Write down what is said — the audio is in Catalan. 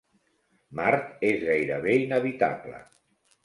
Mart és gairebé inhabitable.